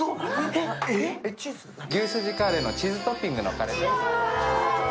牛すじカレーのチーズトッピングのカレーです。